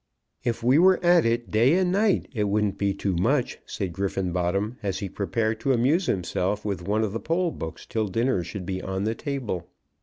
"If we were at it day and night, it wouldn't be too much," said Griffenbottom, as he prepared to amuse himself with one of the poll books till dinner should be on the table.